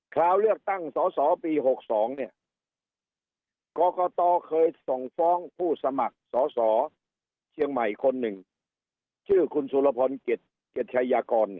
คราวเลือกตั้งสสปีหกสองเนี้ย